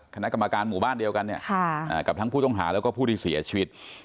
คณะกรรมการหมู่บ้านเดียวกันเนี่ยกับทั้งผู้ต้องหาแล้วก็ผู้ที่เสียชีวิต